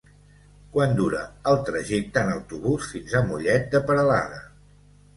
Quant dura el trajecte en autobús fins a Mollet de Peralada?